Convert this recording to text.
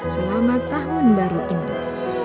selamat tahun baru indah